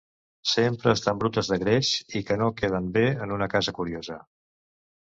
Sempre estan brutes de greix i que no queden bé en una casa curiosa...